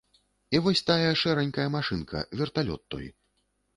І вось тая шэранькая машынка, верталёт той.